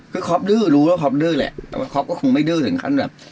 คือคอปดื้อรู้ว่าคอปดื้อแหละแต่ว่าคอปก็คงไม่ดื้อถึงขั้นแบบ